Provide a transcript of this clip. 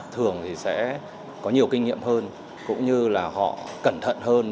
thường thì sẽ có nhiều kinh nghiệm hơn cũng như là họ cẩn thận hơn